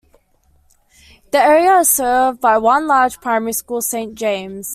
The area is served by one large primary school - Saint James.